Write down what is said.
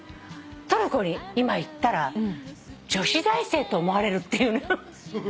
トルコに今行ったら女子大生と思われるっていうの。